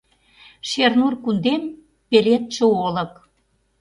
Шернур кундем — пеледше олык.